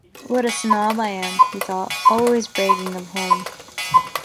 ‘What a snob I am,’ he thought; ‘always bragging of home’.